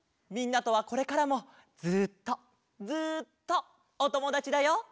みんなとはこれからもずっとずっとおともだちだよ！